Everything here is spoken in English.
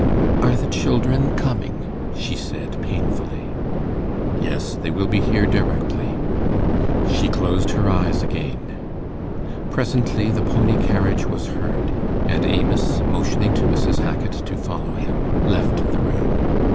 'Are the children coming?' she said, painfully. 'Yes, they will be here directly.' She closed her eyes again. Presently the pony carriage was heard; and Amos, motioning to Mrs. Hackit to follow him, left the room.